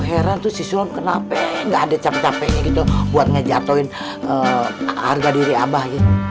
heran tuh siswa kenapa enggak ada capek capek gitu buat ngejatuhin harga diri abah